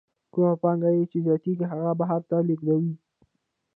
کومه پانګه یې چې زیاتېږي هغه بهر ته لېږدوي